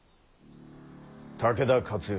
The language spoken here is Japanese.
武田勝頼